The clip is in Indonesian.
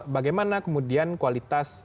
bagaimana kemudian kualitas